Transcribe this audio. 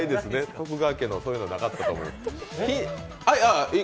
徳川家の、そういうのはなかったと思います。